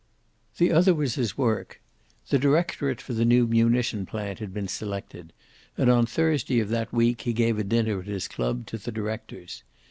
The other was his work. The directorate for the new munition plant had been selected, and on Thursday of that week he gave a dinner at his club to the directors.